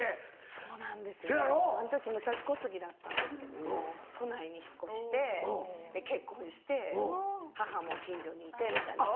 そうなんですよねあの時武蔵小杉だったんですけども都内に引っ越して結婚して母も近所にいてみたいな。